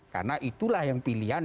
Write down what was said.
karena itulah yang pilihan